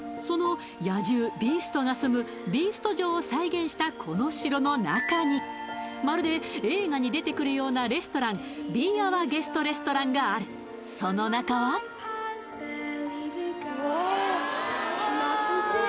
その野獣ビーストが住むビースト城を再現したこの城の中にまるで映画に出てくるようなレストランがあるその中はわ・